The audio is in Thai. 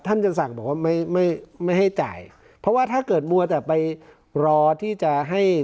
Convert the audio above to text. ท่านจะสั่งบอกว่าไม่ไม่ให้จ่ายเพราะว่าถ้าเกิดมัวแต่ไปรอที่จะให้